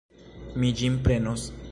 Mi ĝin prenos.